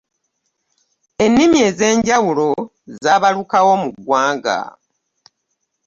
Ennimi ez'enjawulo zaabalukawo mu ggwanga.